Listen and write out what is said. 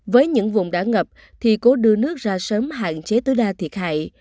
với những vùng đã ngập thì cố đưa nước ra sớm hạn chế tối đa thiệt hại